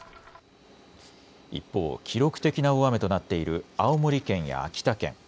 一方、記録的な大雨となっている青森県や秋田県。